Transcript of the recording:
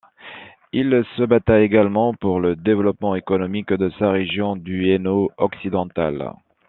Il se batta également pour le développement économique de sa région du Hainaut occidental.